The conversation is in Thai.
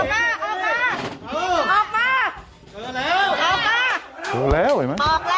ออกมาออกมาออกมาเจอแล้วออกมาเจอแล้วเจอแล้วออกมาออกมาค่ะ